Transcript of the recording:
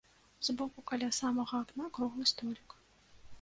З боку каля самага акна круглы столік.